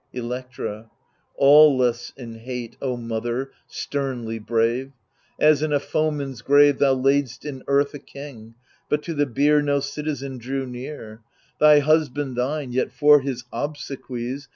Electra Aweless in hate, O mother, sternly brave ! As in a foeman's grave Thou laid'st in earth a king, but to the bier No citizen drew near, — Thy husband, thine, yet for his obsequies.